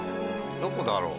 どこだろう？